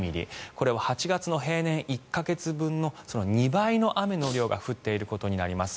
これは８月の平年１か月分の２倍の雨の量が降っていることになります。